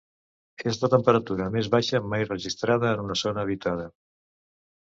És la temperatura més baixa mai registrada en una zona habitada.